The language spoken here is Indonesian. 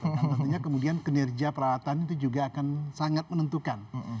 tentunya kemudian kinerja peralatan itu juga akan sangat menentukan